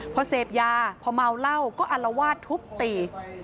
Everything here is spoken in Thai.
พอเสพยาพอเมาเหล้าก็อัลวาดทุบตี